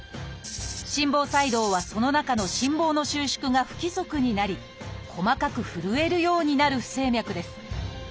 「心房細動」はその中の心房の収縮が不規則になり細かく震えるようになる不整脈です。